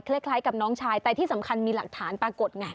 คล้ายกับน้องชายแต่ที่สำคัญมีหลักฐานปรากฏไง